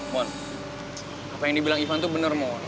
mohon apa yang dibilang ivan tuh bener mohon